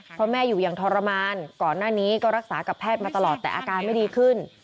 เพราะแม่อยู่อย่างทรมานก่อนหน้านี้ก็รักษากับแพทย์มาตลอดแต่อาการไม่ดีขึ้น